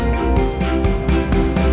gió trắng trên máy